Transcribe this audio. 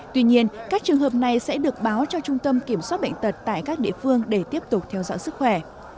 tuy nhiên các trường hợp này sẽ được báo cho trung tâm kiểm soát bệnh tật tại các địa phương để tiếp tục theo dõi sức khỏe